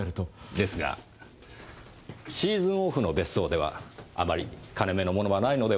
ですがシーズンオフの別荘ではあまり金目のものはないのではありませんか？